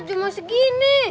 ya cuma segenih